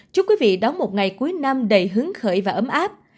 chúc quý vị đón một ngày cuối năm đầy hứng khởi và ấm áp